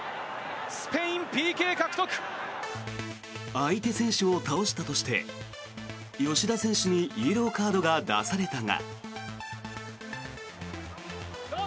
相手選手を倒したとして吉田選手にイエローカードが出されたが。